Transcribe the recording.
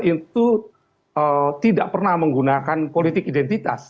itu tidak pernah menggunakan politik identitas